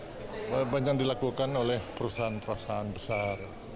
cuma sawit itu kan banyak dilakukan oleh perusahaan perusahaan besar